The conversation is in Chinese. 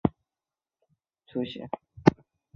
以利亚撒的儿子非尼哈在约书亚记中再次出现。